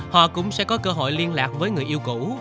họ cũng sẽ có cơ hội liên lạc với người yêu cũ